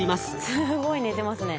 すごい寝てますね。